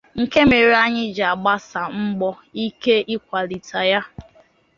nke mere anyị ji agbasi mbọ ike ịkwàlitè ya